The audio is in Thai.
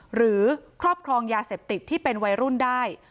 ครอบครองยาเสพติดที่เป็นวัยรุ่นได้